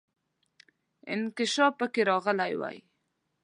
انکشاف پکې راغلی وای.